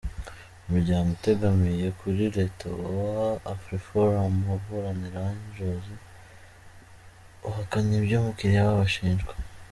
Umuryango utegamiye kuri Leta wa Afriforum uburanira Engels wahakanye ibyo umukiliya wabo ashinjwa.